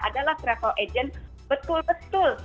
adalah travel agent betul betul